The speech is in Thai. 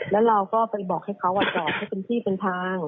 แล้วเราก็ไปบอกให้เขาจอดให้เป็นที่เป็นทาง